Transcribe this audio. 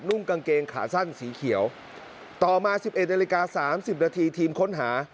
่งกางเกงขาสั้นสีเขียวต่อมาสิบเอ็ดนาฬิกา๓๐นาทีทีมค้นหา